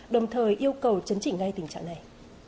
đồng thời yêu cầu chấn chỉnh ngay tình trạng này